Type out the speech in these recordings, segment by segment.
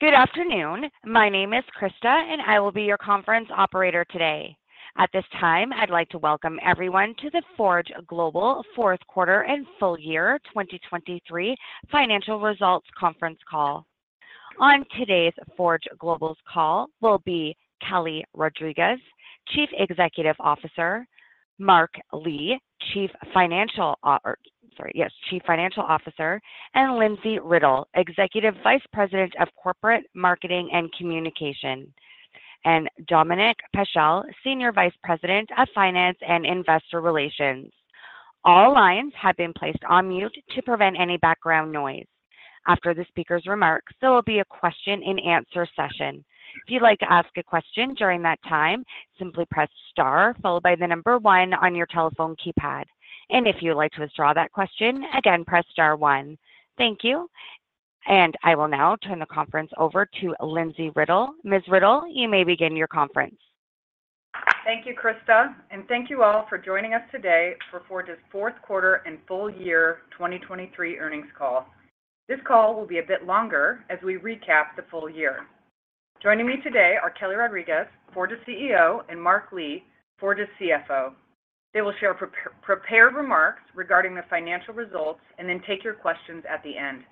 Good afternoon. My name is Krista, and I will be your conference operator today. At this time, I'd like to welcome everyone to the Forge Global fourth quarter and full year 2023 financial results conference call. On today's Forge Global's call will be Kelly Rodrigues, Chief Executive Officer, Mark Lee, Chief Financial Officer, sorry, yes, Chief Financial Officer, and Lindsay Riddell, Executive Vice President of Corporate Marketing and Communication, and Dominic Paschel, Senior Vice President of Finance and Investor Relations. All lines have been placed on mute to prevent any background noise. After the speaker's remarks, there will be a question-and-answer session. If you'd like to ask a question during that time, simply press star followed by the number 1 on your telephone keypad. If you'd like to withdraw that question, again, press star 1. Thank you. I will now turn the conference over to Lindsay Riddell. Ms. Riddell, you may begin your conference. Thank you, Krista, and thank you all for joining us today for Forge's fourth quarter and full year 2023 earnings call. This call will be a bit longer as we recap the full year. Joining me today are Kelly Rodriques, Forge's CEO, and Mark Lee, Forge's CFO. They will share prepared remarks regarding the financial results and then take your questions at the end.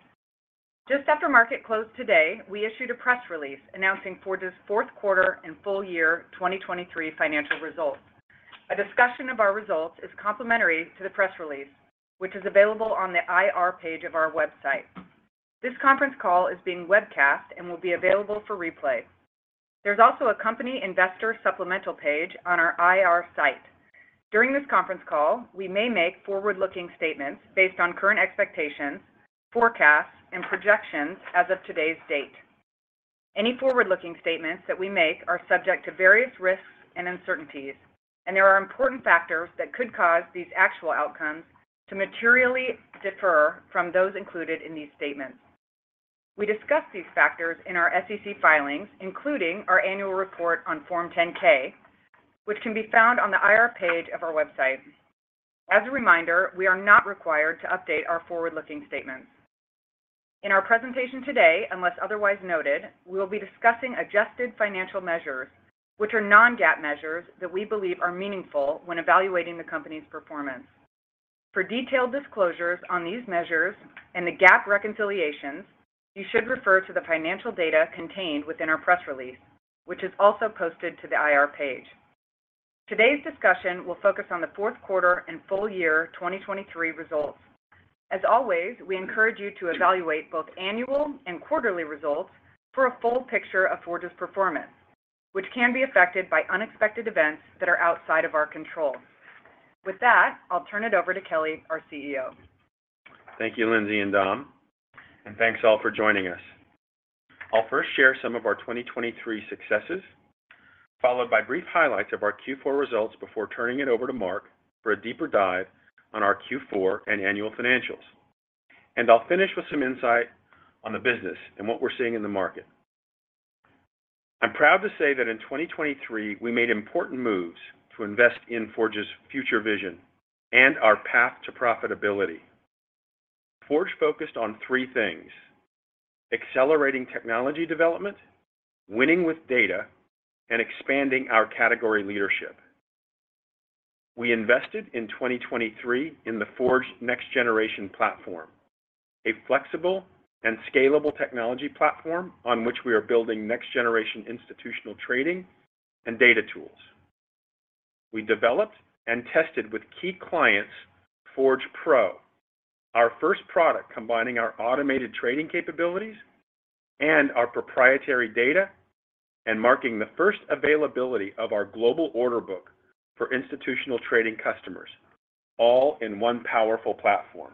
Just after market closed today, we issued a press release announcing Forge's fourth quarter and full year 2023 financial results. A discussion of our results is complementary to the press release, which is available on the IR page of our website. This conference call is being webcast and will be available for replay. There's also a company investor supplemental page on our IR site. During this conference call, we may make forward-looking statements based on current expectations, forecasts, and projections as of today's date. Any forward-looking statements that we make are subject to various risks and uncertainties, and there are important factors that could cause these actual outcomes to materially differ from those included in these statements. We discuss these factors in our SEC filings, including our annual report on Form 10-K, which can be found on the IR page of our website. As a reminder, we are not required to update our forward-looking statements. In our presentation today, unless otherwise noted, we will be discussing adjusted financial measures, which are non-GAAP measures that we believe are meaningful when evaluating the company's performance. For detailed disclosures on these measures and the GAAP reconciliations, you should refer to the financial data contained within our press release, which is also posted to the IR page. Today's discussion will focus on the fourth quarter and full year 2023 results. As always, we encourage you to evaluate both annual and quarterly results for a full picture of Forge's performance, which can be affected by unexpected events that are outside of our control. With that, I'll turn it over to Kelly, our CEO. Thank you, Lindsay and Dom, and thanks all for joining us. I'll first share some of our 2023 successes, followed by brief highlights of our Q4 results before turning it over to Mark for a deeper dive on our Q4 and annual financials. I'll finish with some insight on the business and what we're seeing in the market. I'm proud to say that in 2023, we made important moves to invest in Forge's future vision and our path to profitability. Forge focused on three things: accelerating technology development, winning with data, and expanding our category leadership. We invested in 2023 in the Forge Next Generation platform, a flexible and scalable technology platform on which we are building next-generation institutional trading and data tools. We developed and tested with key clients Forge Pro, our first product combining our automated trading capabilities and our proprietary data and marking the first availability of our global order book for institutional trading customers, all in one powerful platform.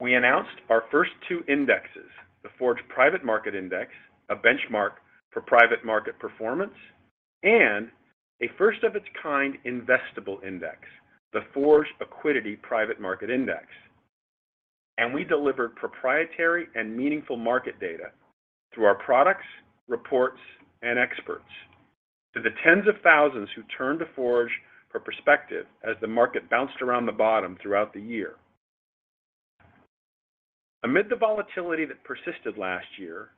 We announced our first two indexes, the Forge Private Market Index, a benchmark for private market performance, and a first-of-its-kind investable index, the Forge Equity Private Market Index. We delivered proprietary and meaningful market data through our products, reports, and experts to the tens of thousands who turned to Forge for perspective as the market bounced around the bottom throughout the year. Amid the volatility that persisted last year,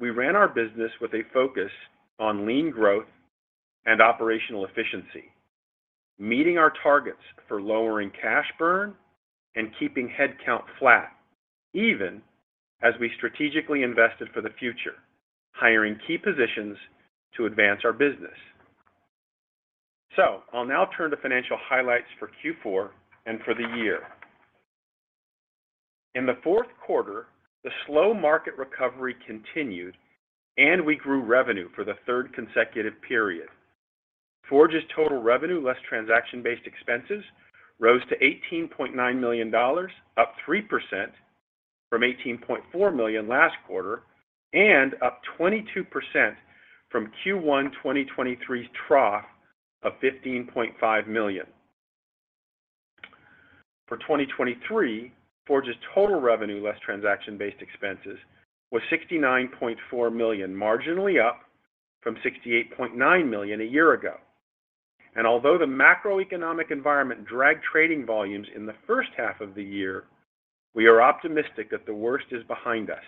we ran our business with a focus on lean growth and operational efficiency, meeting our targets for lowering cash burn and keeping headcount flat even as we strategically invested for the future, hiring key positions to advance our business. So I'll now turn to financial highlights for Q4 and for the year. In the fourth quarter, the slow market recovery continued, and we grew revenue for the third consecutive period. Forge's total revenue less transaction-based expenses rose to $18.9 million, up 3% from $18.4 million last quarter and up 22% from Q1 2023's trough of $15.5 million. For 2023, Forge's total revenue less transaction-based expenses was $69.4 million, marginally up from $68.9 million a year ago. And although the macroeconomic environment dragged trading volumes in the first half of the year, we are optimistic that the worst is behind us.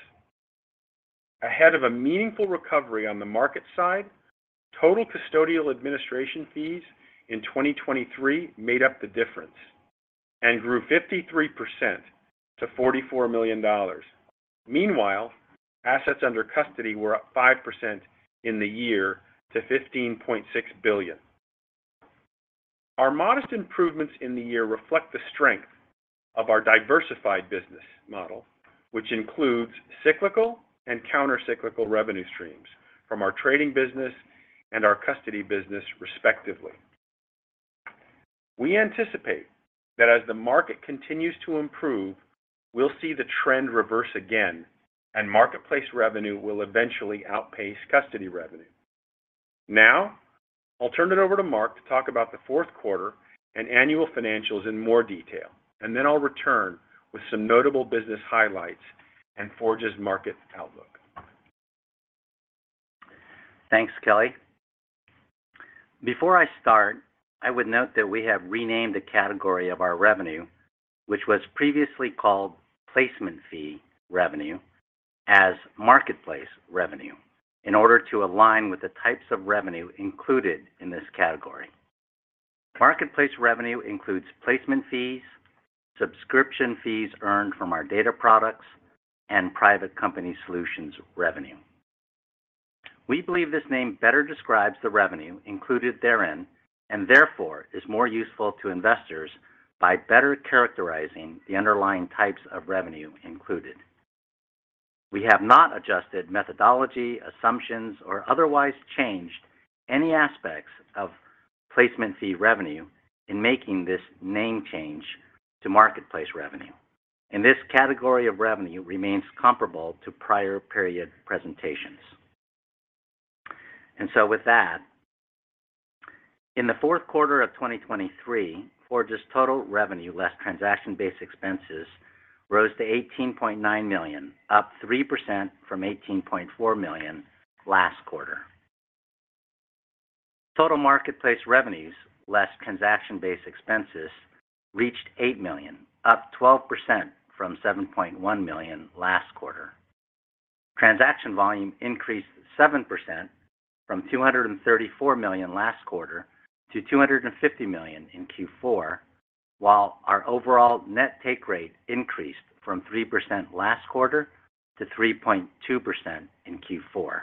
Ahead of a meaningful recovery on the market side, total custodial administration fees in 2023 made up the difference and grew 53% to $44 million. Meanwhile, assets under custody were up 5% in the year to $15.6 billion. Our modest improvements in the year reflect the strength of our diversified business model, which includes cyclical and countercyclical revenue streams from our trading business and our custody business, respectively. We anticipate that as the market continues to improve, we'll see the trend reverse again, and marketplace revenue will eventually outpace custody revenue. Now I'll turn it over to Mark to talk about the fourth quarter and annual financials in more detail, and then I'll return with some notable business highlights and Forge's market outlook. Thanks, Kelly. Before I start, I would note that we have renamed a category of our revenue, which was previously called placement fee revenue, as marketplace revenue in order to align with the types of revenue included in this category. Marketplace revenue includes placement fees, subscription fees earned from our data products, and private company solutions revenue. We believe this name better describes the revenue included therein and therefore is more useful to investors by better characterizing the underlying types of revenue included. We have not adjusted methodology, assumptions, or otherwise changed any aspects of placement fee revenue in making this name change to marketplace revenue. And this category of revenue remains comparable to prior period presentations. And so with that, in the fourth quarter of 2023, Forge's total revenue less transaction-based expenses rose to $18.9 million, up 3% from $18.4 million last quarter. Total marketplace revenues less transaction-based expenses reached $8 million, up 12% from $7.1 million last quarter. Transaction volume increased 7% from $234 million last quarter to $250 million in Q4, while our overall net take rate increased from 3% last quarter to 3.2% in Q4.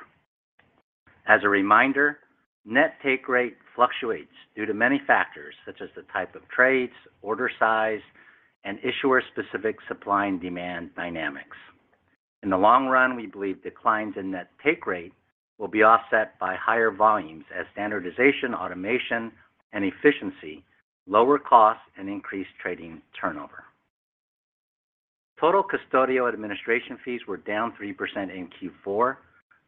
As a reminder, net take rate fluctuates due to many factors such as the type of trades, order size, and issuer-specific supply and demand dynamics. In the long run, we believe declines in net take rate will be offset by higher volumes as standardization, automation, and efficiency, lower costs, and increased trading turnover. Total custodial administration fees were down 3% in Q4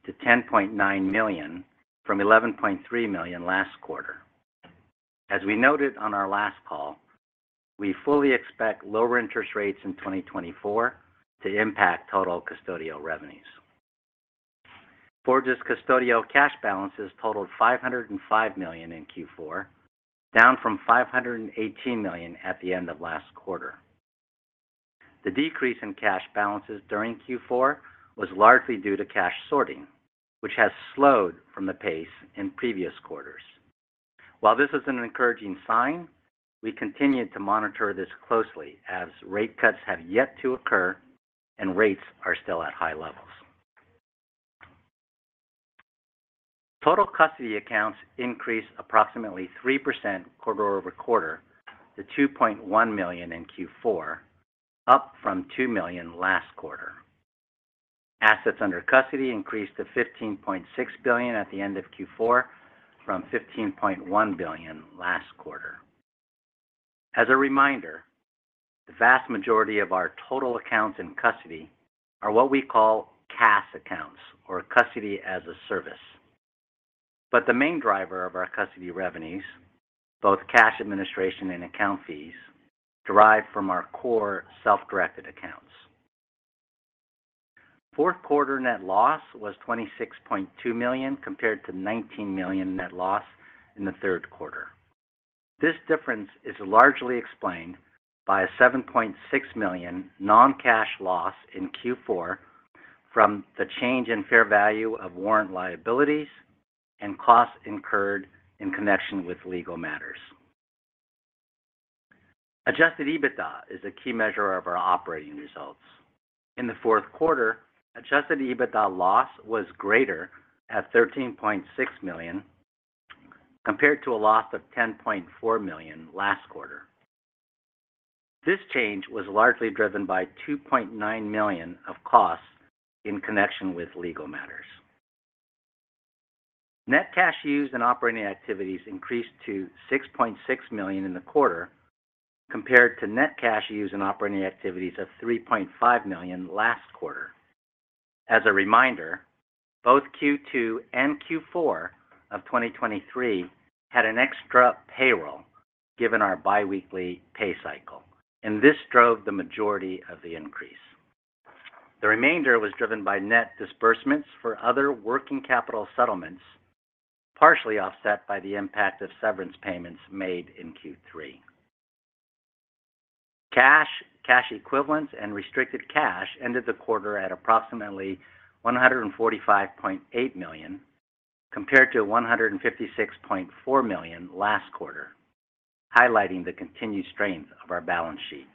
to $10.9 million from $11.3 million last quarter. As we noted on our last call, we fully expect lower interest rates in 2024 to impact total custodial revenues. Forge's custodial cash balances totaled $505 million in Q4, down from $518 million at the end of last quarter. The decrease in cash balances during Q4 was largely due to cash sorting, which has slowed from the pace in previous quarters. While this is an encouraging sign, we continue to monitor this closely as rate cuts have yet to occur and rates are still at high levels. Total custody accounts increased approximately 3% quarter-over-quarter to $2.1 million in Q4, up from $2 million last quarter. Assets under custody increased to $15.6 billion at the end of Q4 from $15.1 billion last quarter. As a reminder, the vast majority of our total accounts in custody are what we call cash accounts or custody as a service. But the main driver of our custody revenues, both cash administration and account fees, derive from our core self-directed accounts. Fourth quarter net loss was $26.2 million compared to $19 million net loss in the third quarter. This difference is largely explained by a $7.6 million non-cash loss in Q4 from the change in fair value of warrant liabilities and costs incurred in connection with legal matters. Adjusted EBITDA is a key measure of our operating results. In the fourth quarter, adjusted EBITDA loss was greater at $13.6 million compared to a loss of $10.4 million last quarter. This change was largely driven by $2.9 million of costs in connection with legal matters. Net cash used in operating activities increased to $6.6 million in the quarter compared to net cash used in operating activities of $3.5 million last quarter. As a reminder, both Q2 and Q4 of 2023 had an extra payroll given our biweekly pay cycle, and this drove the majority of the increase. The remainder was driven by net disbursements for other working capital settlements, partially offset by the impact of severance payments made in Q3. Cash, cash equivalents, and restricted cash ended the quarter at approximately $145.8 million compared to $156.4 million last quarter, highlighting the continued strains of our balance sheet.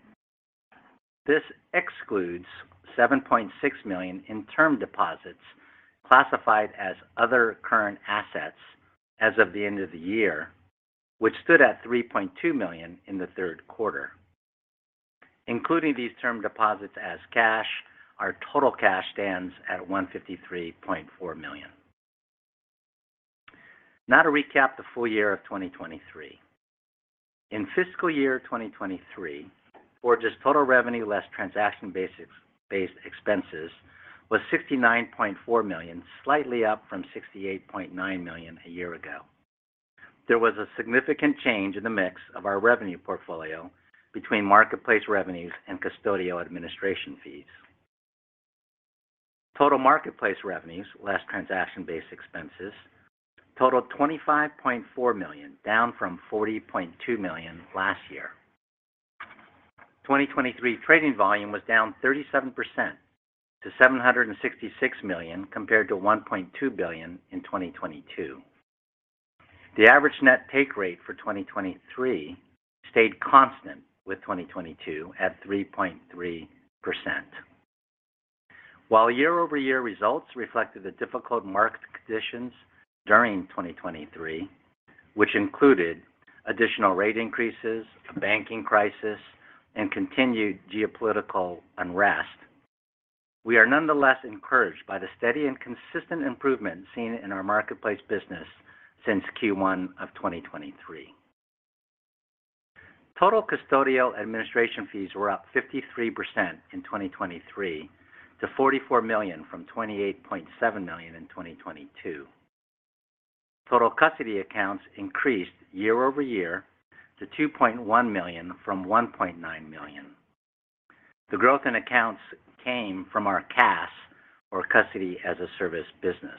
This excludes $7.6 million in term deposits classified as other current assets as of the end of the year, which stood at $3.2 million in the third quarter. Including these term deposits as cash, our total cash stands at $153.4 million. Now to recap the full year of 2023. In fiscal year 2023, Forge's total revenue less transaction-based expenses was $69.4 million, slightly up from $68.9 million a year ago. There was a significant change in the mix of our revenue portfolio between marketplace revenues and custodial administration fees. Total marketplace revenues less transaction-based expenses totaled $25.4 million, down from $40.2 million last year. 2023 trading volume was down 37% to $766 million compared to $1.2 billion in 2022. The average net take rate for 2023 stayed constant with 2022 at 3.3%. While year-over-year results reflected the difficult market conditions during 2023, which included additional rate increases, a banking crisis, and continued geopolitical unrest, we are nonetheless encouraged by the steady and consistent improvement seen in our marketplace business since Q1 of 2023. Total custodial administration fees were up 53% in 2023 to $44 million from $28.7 million in 2022. Total custody accounts increased year-over-year to $2.1 million from $1.9 million. The growth in accounts came from our cash or custody as a service business.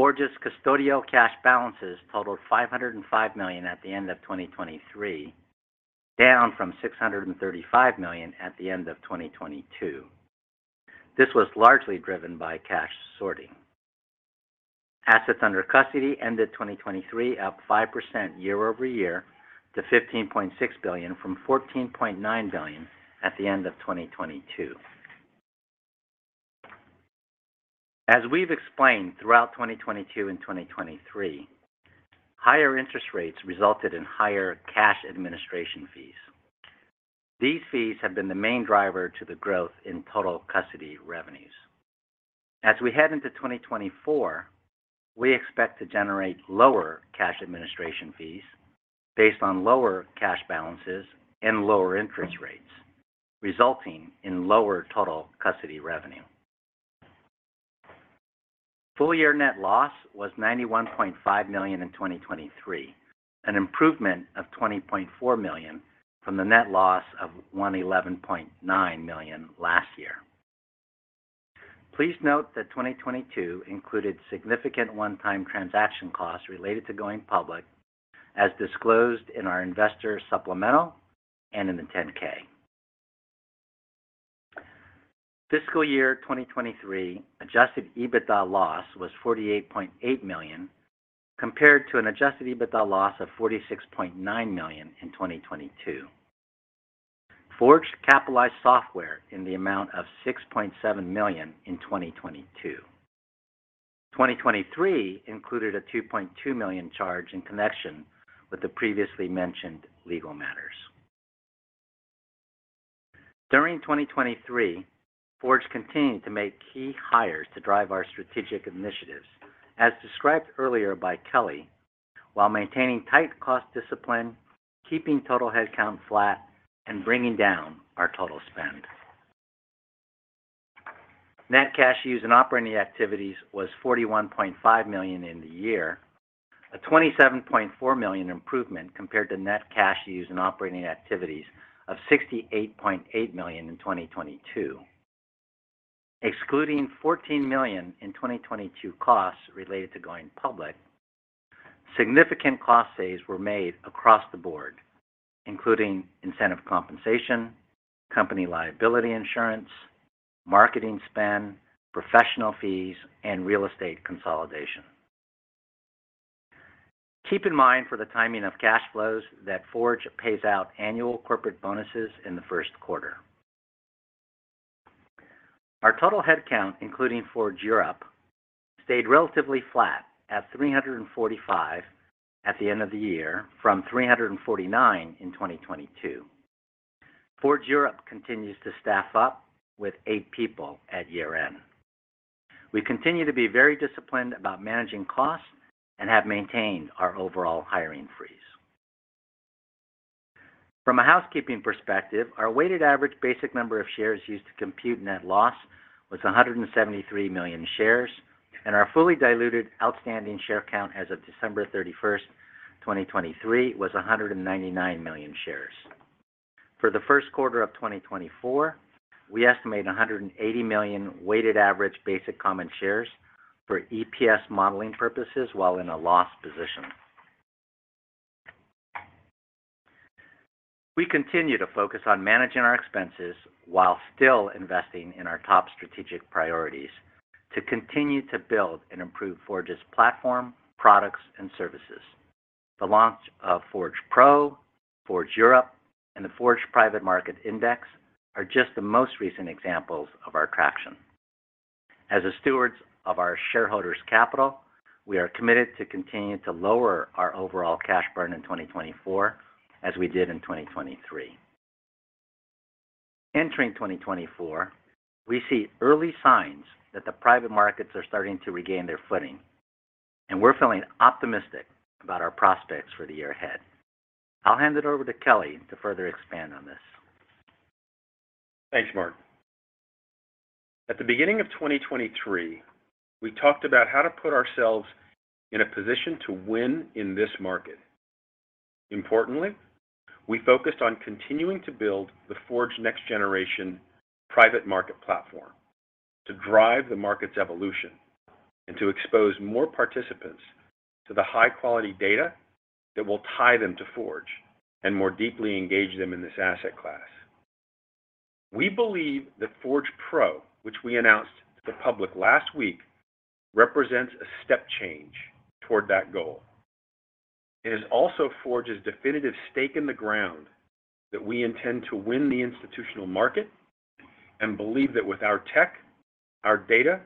Forge's custodial cash balances totaled $505 million at the end of 2023, down from $635 million at the end of 2022. This was largely driven by cash sorting. Assets under custody ended 2023 up 5% year-over-year to $15.6 billion from $14.9 billion at the end of 2022. As we've explained throughout 2022 and 2023, higher interest rates resulted in higher cash administration fees. These fees have been the main driver to the growth in total custody revenues. As we head into 2024, we expect to generate lower cash administration fees based on lower cash balances and lower interest rates, resulting in lower total custody revenue. Full year net loss was $91.5 million in 2023, an improvement of $20.4 million from the net loss of $111.9 million last year. Please note that 2022 included significant one-time transaction costs related to going public as disclosed in our investor supplemental and in the 10-K. Fiscal year 2023 Adjusted EBITDA loss was $48.8 million compared to an Adjusted EBITDA loss of $46.9 million in 2022. Forge capitalized software in the amount of $6.7 million in 2022. 2023 included a $2.2 million charge in connection with the previously mentioned legal matters. During 2023, Forge continued to make key hires to drive our strategic initiatives, as described earlier by Kelly, while maintaining tight cost discipline, keeping total headcount flat, and bringing down our total spend. Net cash used in operating activities was $41.5 million in the year, a $27.4 million improvement compared to net cash used in operating activities of $68.8 million in 2022. Excluding $14 million in 2022 costs related to going public, significant cost savings were made across the board, including incentive compensation, company liability insurance, marketing spend, professional fees, and real estate consolidation. Keep in mind for the timing of cash flows that Forge pays out annual corporate bonuses in the first quarter. Our total headcount, including Forge Europe, stayed relatively flat at 345 at the end of the year from 349 in 2022. Forge Europe continues to staff up with eight people at year-end. We continue to be very disciplined about managing costs and have maintained our overall hiring freeze. From a housekeeping perspective, our weighted average basic number of shares used to compute net loss was 173 million shares, and our fully diluted outstanding share count as of December 31st, 2023, was 199 million shares. For the first quarter of 2024, we estimate 180 million weighted average basic common shares for EPS modeling purposes while in a loss position. We continue to focus on managing our expenses while still investing in our top strategic priorities to continue to build and improve Forge's platform, products, and services. The launch of Forge Pro, Forge Europe, and the Forge Private Market Index are just the most recent examples of our traction. As the stewards of our shareholders' capital, we are committed to continue to lower our overall cash burn in 2024 as we did in 2023. Entering 2024, we see early signs that the private markets are starting to regain their footing, and we're feeling optimistic about our prospects for the year ahead. I'll hand it over to Kelly to further expand on this. Thanks, Mark. At the beginning of 2023, we talked about how to put ourselves in a position to win in this market. Importantly, we focused on continuing to build the Forge Next Generation private market platform to drive the market's evolution and to expose more participants to the high-quality data that will tie them to Forge and more deeply engage them in this asset class. We believe that Forge Pro, which we announced to the public last week, represents a step change toward that goal. It is also Forge's definitive stake in the ground that we intend to win the institutional market and believe that with our tech, our data,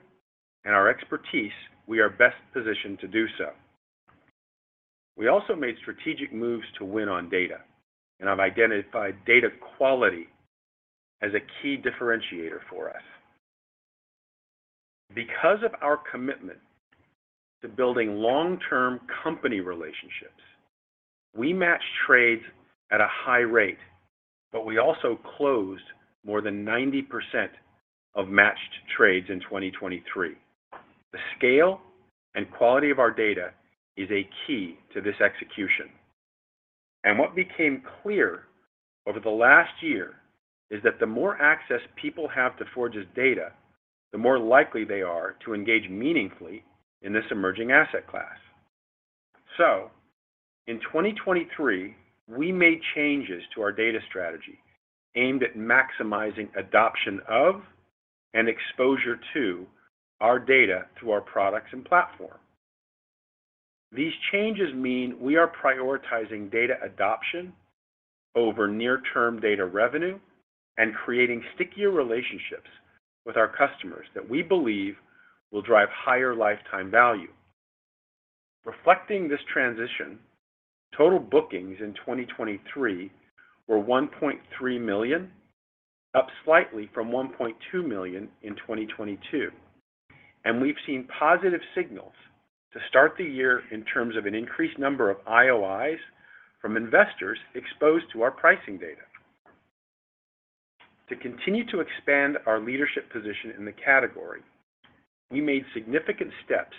and our expertise, we are best positioned to do so. We also made strategic moves to win on data, and I've identified data quality as a key differentiator for us. Because of our commitment to building long-term company relationships, we matched trades at a high rate, but we also closed more than 90% of matched trades in 2023. The scale and quality of our data is a key to this execution. What became clear over the last year is that the more access people have to Forge's data, the more likely they are to engage meaningfully in this emerging asset class. In 2023, we made changes to our data strategy aimed at maximizing adoption of and exposure to our data through our products and platform. These changes mean we are prioritizing data adoption over near-term data revenue and creating stickier relationships with our customers that we believe will drive higher lifetime value. Reflecting this transition, total bookings in 2023 were $1.3 million, up slightly from $1.2 million in 2022, and we've seen positive signals to start the year in terms of an increased number of IOIs from investors exposed to our pricing data. To continue to expand our leadership position in the category, we made significant steps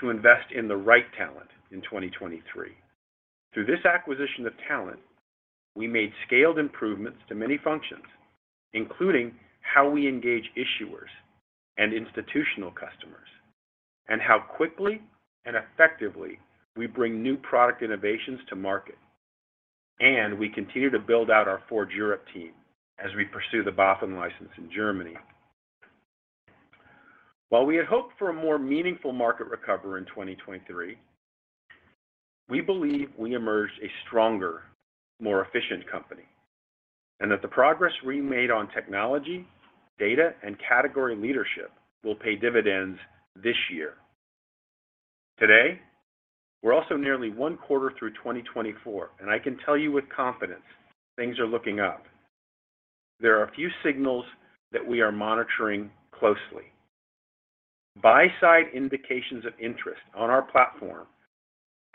to invest in the right talent in 2023. Through this acquisition of talent, we made scaled improvements to many functions, including how we engage issuers and institutional customers and how quickly and effectively we bring new product innovations to market. We continue to build out our Forge Europe team as we pursue the BaFin license in Germany. While we had hoped for a more meaningful market recovery in 2023, we believe we emerged a stronger, more efficient company, and that the progress we made on technology, data, and category leadership will pay dividends this year. Today, we're also nearly one quarter through 2024, and I can tell you with confidence things are looking up. There are a few signals that we are monitoring closely. Buy-side indications of interest on our platform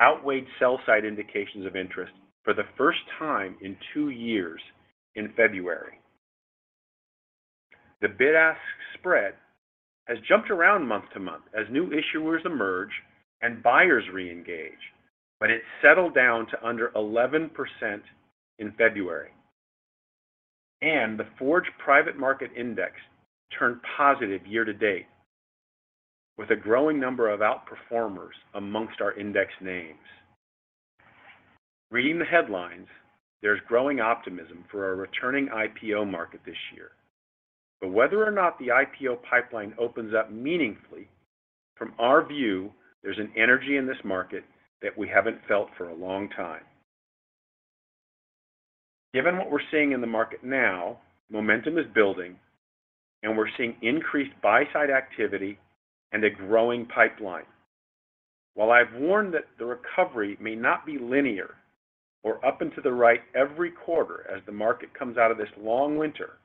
outweighed sell-side indications of interest for the first time in two years in February. The bid-ask spread has jumped around month-to-month as new issuers emerge and buyers reengage, but it settled down to under 11% in February. And the Forge Private Market Index turned positive year to date, with a growing number of outperformers amongst our index names. Reading the headlines, there's growing optimism for a returning IPO market this year. But whether or not the IPO pipeline opens up meaningfully, from our view, there's an energy in this market that we haven't felt for a long time. Given what we're seeing in the market now, momentum is building, and we're seeing increased buy-side activity and a growing pipeline. While I've warned that the recovery may not be linear or up and to the right every quarter as the market comes out of this long winter,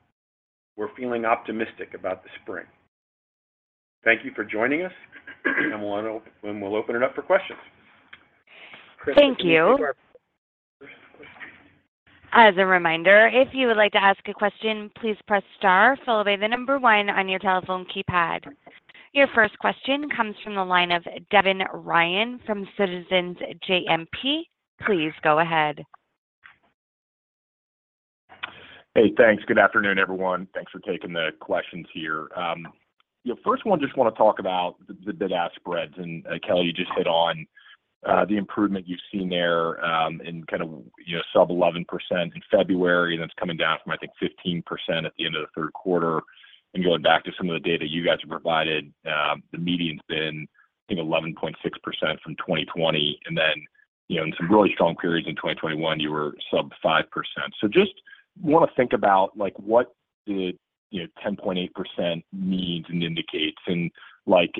we're feeling optimistic about the spring. Thank you for joining us, and we'll open it up for questions. Thank you. As a reminder, if you would like to ask a question, please press star followed by the number one on your telephone keypad. Your first question comes from the line of Devin Ryan from Citizens JMP. Please go ahead. Hey, thanks. Good afternoon, everyone. Thanks for taking the questions here. You know, first one I just want to talk about the bid-ask spreads. Kelly, you just hit on the improvement you've seen there, in kind of, you know, sub-11% in February, and then it's coming down from, I think, 15% at the end of the third quarter. Going back to some of the data you guys have provided, the median's been, I think, 11.6% from 2020. Then, you know, in some really strong periods in 2021, you were sub-5%. So just want to think about, like, what the, you know, 10.8% means and indicates. Like,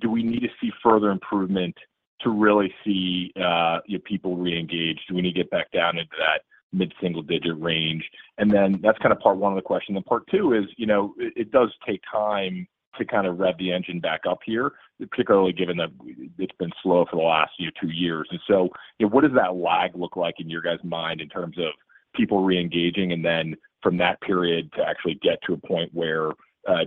do we need to see further improvement to really see, you know, people reengage? Do we need to get back down into that mid-single-digit range? Then that's kind of part one of the question. And part two is, you know, it does take time to kind of rev the engine back up here, particularly given that it's been slow for the last, you know, two years. And so, you know, what does that lag look like in your guys' mind in terms of people reengaging and then from that period to actually get to a point where,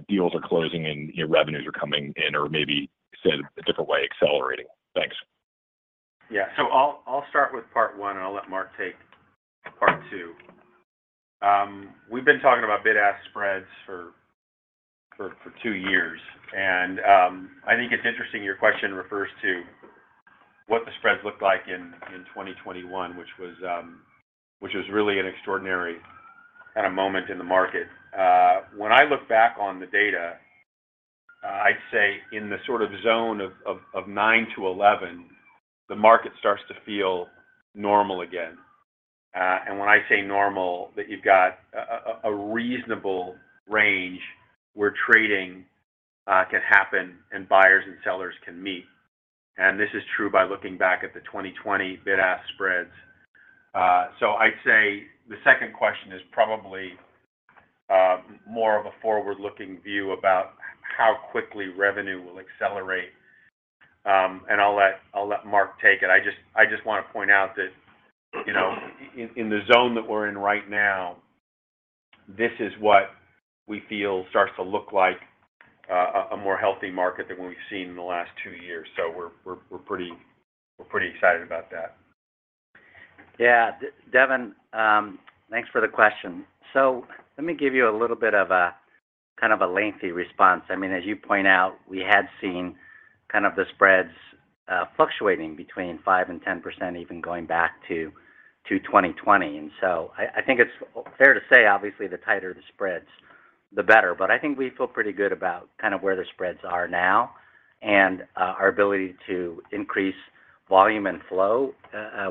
deals are closing and, you know, revenues are coming in or maybe, say, a different way, accelerating? Thanks. Yeah. So I'll, I'll start with part one, and I'll let Mark take part two. We've been talking about bid-ask spreads for two years. And, I think it's interesting your question refers to what the spreads looked like in 2021, which was really an extraordinary kind of moment in the market. When I look back on the data, I'd say in the sort of zone of 9-11, the market starts to feel normal again. And when I say normal, that you've got a reasonable range where trading can happen and buyers and sellers can meet. And this is true by looking back at the 2020 bid-ask spreads. So I'd say the second question is probably more of a forward-looking view about how quickly revenue will accelerate. And I'll let Mark take it. I just want to point out that, you know, in the zone that we're in right now, this is what we feel starts to look like a more healthy market than what we've seen in the last two years. So we're pretty excited about that. Yeah. Devin, thanks for the question. So let me give you a little bit of a kind of a lengthy response. I mean, as you point out, we had seen kind of the spreads fluctuating between 5%-10%, even going back to 2020. And so I think it's fair to say, obviously, the tighter the spreads, the better. But I think we feel pretty good about kind of where the spreads are now and our ability to increase volume and flow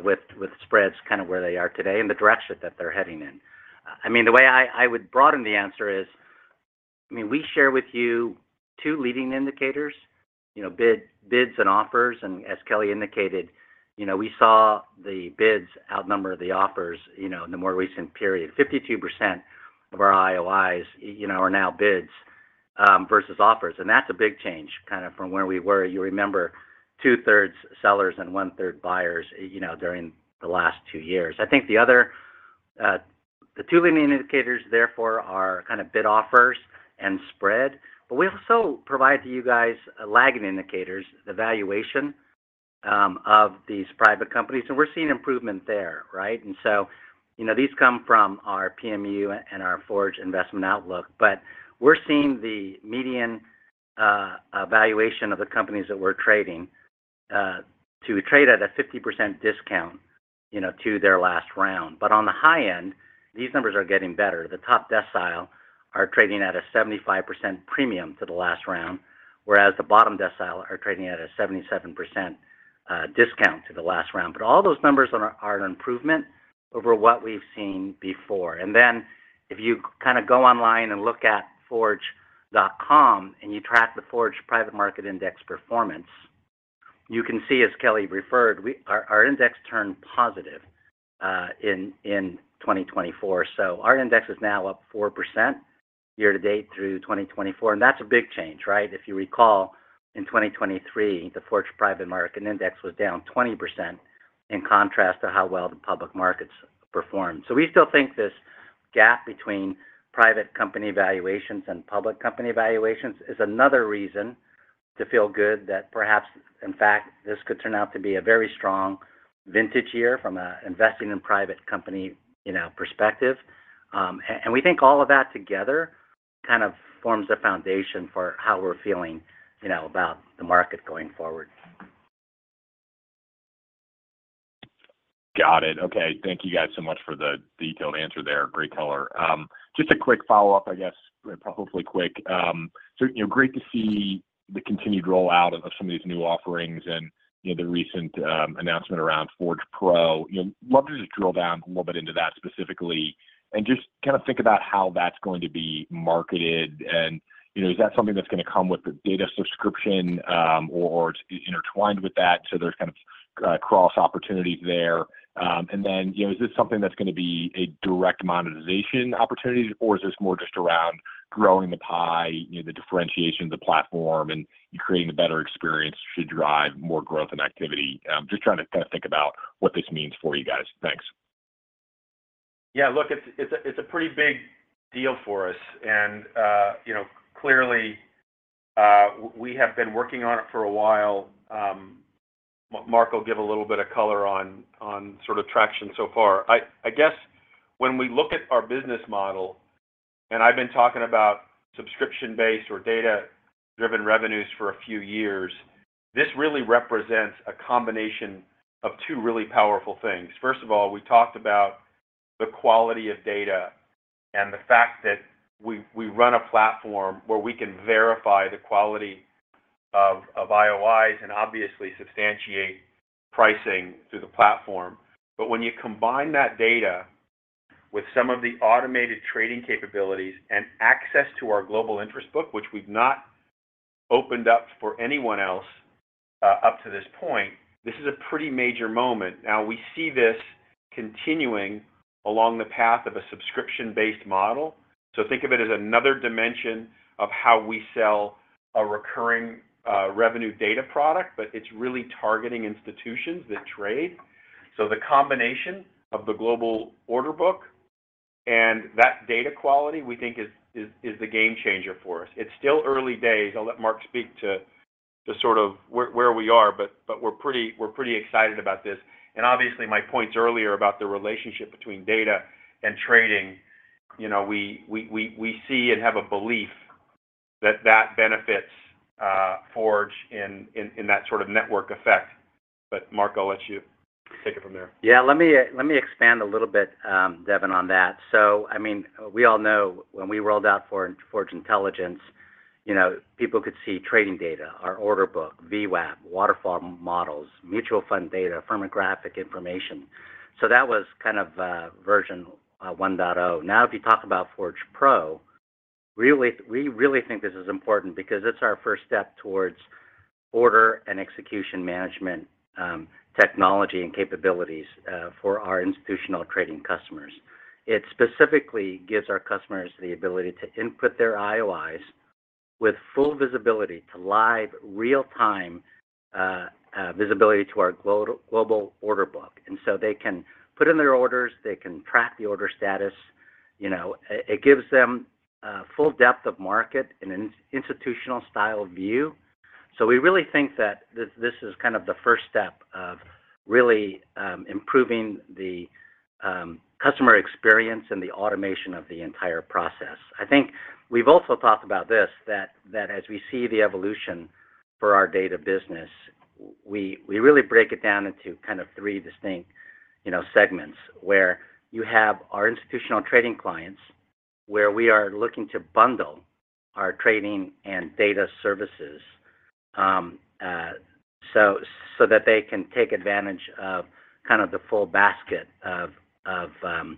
with spreads kind of where they are today and the direction that they're heading in. I mean, the way I would broaden the answer is, I mean, we share with you two leading indicators, you know, bids and offers. And as Kelly indicated, you know, we saw the bids outnumber the offers, you know, in the more recent period. 52% of our IOIs, you know, are now bids, versus offers. That's a big change kind of from where we were. You remember 2/3 sellers and 1/3 buyers, you know, during the last two years. I think the other, the two leading indicators, therefore, are kind of bid offers and spread. But we also provide to you guys lagging indicators, the valuation, of these private companies. And we're seeing improvement there, right? And so, you know, these come from our PMU and our Forge Investment Outlook. But we're seeing the median, valuation of the companies that we're trading, to trade at a 50% discount, you know, to their last round. But on the high end, these numbers are getting better. The top decile are trading at a 75% premium to the last round, whereas the bottom decile are trading at a 77% discount to the last round. But all those numbers are an improvement over what we've seen before. And then if you kind of go online and look at forge.com and you track the Forge Private Market Index performance, you can see, as Kelly referred, our index turned positive in 2024. So our index is now up 4% year to date through 2024. And that's a big change, right? If you recall, in 2023, the Forge Private Market Index was down 20% in contrast to how well the public markets performed. So we still think this gap between private company valuations and public company valuations is another reason to feel good that perhaps, in fact, this could turn out to be a very strong vintage year from an investing in private company, you know, perspective. And we think all of that together kind of forms a foundation for how we're feeling, you know, about the market going forward. Got it. Okay. Thank you guys so much for the detailed answer there. Great color. Just a quick follow-up, I guess, hopefully quick. So, you know, great to see the continued rollout of some of these new offerings and, you know, the recent announcement around Forge Pro. You know, love to just drill down a little bit into that specifically and just kind of think about how that's going to be marketed. And, you know, is that something that's going to come with the data subscription, or it's intertwined with that so there's kind of cross opportunities there? And then, you know, is this something that's going to be a direct monetization opportunity, or is this more just around growing the pie, you know, the differentiation of the platform and creating a better experience should drive more growth and activity? Just trying to kind of think about what this means for you guys. Thanks. Yeah. Look, it's a pretty big deal for us. And, you know, clearly, we have been working on it for a while. Mark will give a little bit of color on sort of traction so far. I guess when we look at our business model, and I've been talking about subscription-based or data-driven revenues for a few years, this really represents a combination of two really powerful things. First of all, we talked about the quality of data and the fact that we run a platform where we can verify the quality of IOIs and obviously substantiate pricing through the platform. But when you combine that data with some of the automated trading capabilities and access to our global interest book, which we've not opened up for anyone else, up to this point, this is a pretty major moment. Now, we see this continuing along the path of a subscription-based model. So think of it as another dimension of how we sell a recurring revenue data product, but it's really targeting institutions that trade. So the combination of the global order book and that data quality, we think, is the game changer for us. It's still early days. I'll let Mark speak to sort of where we are. But we're pretty excited about this. And obviously, my points earlier about the relationship between data and trading, you know, we see and have a belief that that benefits Forge in that sort of network effect. But Mark, I'll let you take it from there. Yeah. Let me let me expand a little bit, Devin, on that. So, I mean, we all know when we rolled out Forge Intelligence, you know, people could see trading data, our order book, VWAP, waterfall models, mutual fund data, firmographic information. So that was kind of version 1.0. Now, if you talk about Forge Pro, we really we really think this is important because it's our first step towards order and execution management, technology and capabilities, for our institutional trading customers. It specifically gives our customers the ability to input their IOIs with full visibility to live, real-time visibility to our global order book. And so they can put in their orders. They can track the order status. You know, it gives them full depth of market and an institutional-style view. So we really think that this is kind of the first step of really improving the customer experience and the automation of the entire process. I think we've also talked about this, that as we see the evolution for our data business, we really break it down into kind of three distinct, you know, segments where you have our institutional trading clients, where we are looking to bundle our trading and data services, so that they can take advantage of kind of the full basket of the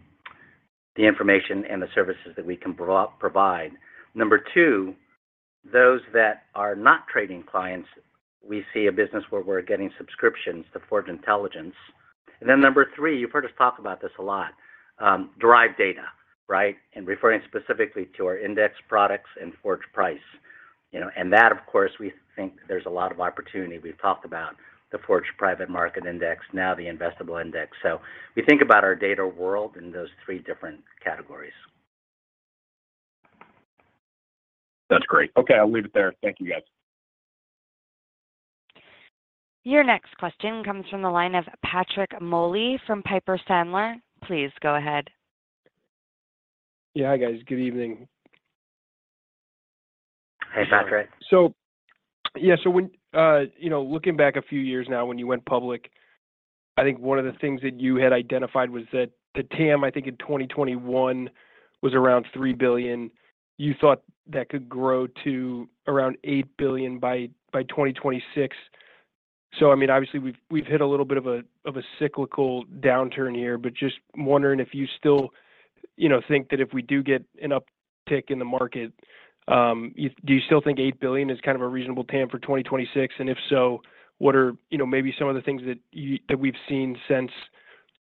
information and the services that we can provide. Number two, those that are not trading clients, we see a business where we're getting subscriptions to Forge Intelligence. And then number three, you've heard us talk about this a lot, derived data, right, and referring specifically to our index products and Forge Price. You know, and that, of course, we think there's a lot of opportunity. We've talked about the Forge Private Market Index, now the investable Index. So we think about our data world in those three different categories. That's great. Okay. I'll leave it there. Thank you, guys. Your next question comes from the line of Patrick Moley from Piper Sandler. Please go ahead. Yeah, hi, guys. Good evening. Hey, Patrick. So, yeah, so when, you know, looking back a few years now when you went public, I think one of the things that you had identified was that the TAM, I think, in 2021 was around $3 billion. You thought that could grow to around $8 billion by 2026. So, I mean, obviously, we've hit a little bit of a cyclical downturn here. But just wondering if you still, you know, think that if we do get an uptick in the market, do you still think $8 billion is kind of a reasonable TAM for 2026? And if so, what are, you know, maybe some of the things that we've seen since